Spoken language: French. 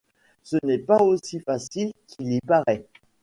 Ce n’est pas aussi facile qu'il y paraît.